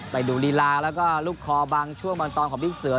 ไปดูลีลาแล้วก็ลูกคอบางช่วงบางตอนของพี่เสือ